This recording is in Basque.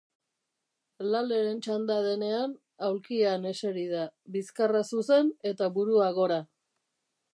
Laleren txanda denean, aulkian eseri da, bizkarra zuzen eta burua gora.